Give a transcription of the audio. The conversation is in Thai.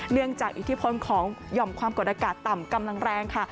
จากอิทธิพลของหย่อมความกดอากาศต่ำกำลังแรงค่ะ